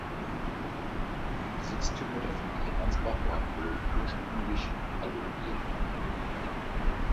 Die Besitztümer der Familie Mansbach waren wohl ursprünglich Allodien.